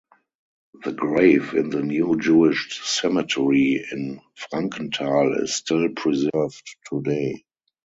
The grave in the new Jewish cemetery in Frankenthal is still preserved today.